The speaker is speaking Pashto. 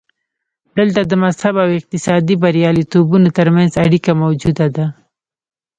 دلته د مذهب او اقتصادي بریالیتوبونو ترمنځ اړیکه موجوده ده.